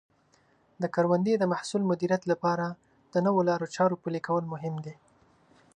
د کروندې د محصول مدیریت لپاره د نوو لارو چارو پلي کول مهم دي.